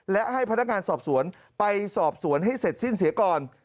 และให้พนักงานสอบสวนไปสอบสวนให้เสร็จสิ้นเสียก่อน